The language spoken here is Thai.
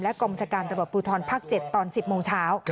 และกรมชาการตำรวจปุทธรพัก๗ตอน๑๐โมงเช้า